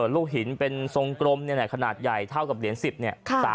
ลูกหินเป็นทรงกลมขนาดใหญ่เท่ากับเหรียญ๑๐